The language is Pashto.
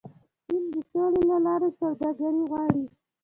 چین د سولې له لارې سوداګري غواړي.